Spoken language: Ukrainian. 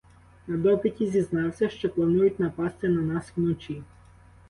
На допиті зізнався, що планують напасти на нас вночі.